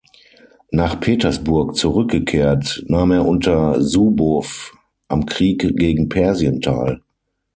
Nach Petersburg zurückgekehrt, nahm er unter Subow am Krieg gegen Persien teil.